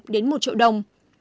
đến một triệu đồng